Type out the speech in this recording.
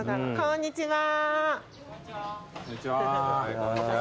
こんにちは。